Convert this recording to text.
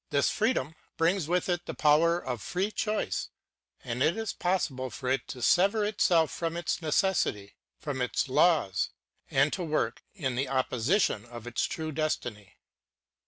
This freedom brings with it the power of free choice, and it is possible for it .to sever i in/ itself from its^ecjs^itv^Jrom its laws, and to work opposition toJit^True^destiny.